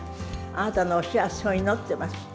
あなたのお幸せを祈ってます。